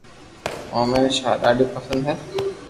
او امو ني ڌادي پسند ھي